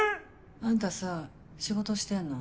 あんたさ仕事してんの？